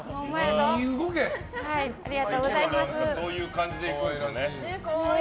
今日はそういう感じで行くんですね。